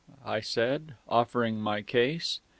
I said, offering my case.